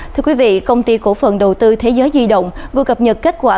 thưa quý vị công ty cổ phần đầu tư thế giới di động vừa cập nhật kết quả